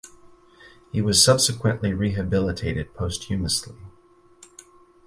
He was subsequently rehabilitated posthumously.